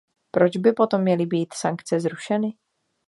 Proč by potom měly být sankce zrušeny?